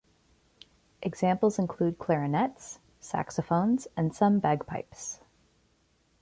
Examples include clarinets, saxophones, and some bagpipes.